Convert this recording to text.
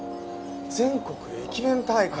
全国駅弁大会。